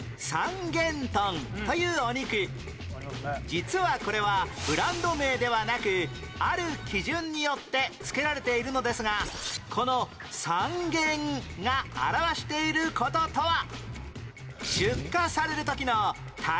実はこれはブランド名ではなくある基準によって付けられているのですがこの「三元」が表している事とは？